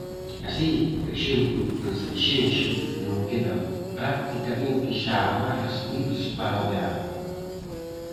Así, por exemplo, en Sanxenxo non quedan practicamente xa amarres libres para o verán.